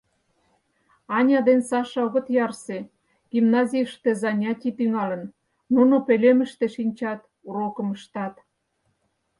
Аня ден Саша огыт ярсе — гимназийыште занятий тӱҥалын; нуно пӧлемыште шинчат, урокым ыштат.